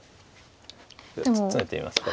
ツメてみますか。